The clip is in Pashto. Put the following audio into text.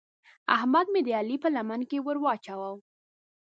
احمد مې د علي په لمن کې ور واچاوو.